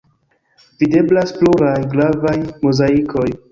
Videblas pluraj gravaj mozaikoj.